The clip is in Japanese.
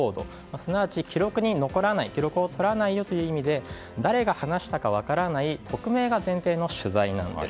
すなわち記録に残らない記録に取らないということで誰が話したか分からない匿名が前提の取材なんです。